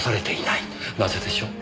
なぜでしょう？